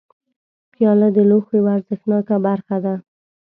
پیاله د لوښو یوه ارزښتناکه برخه ده.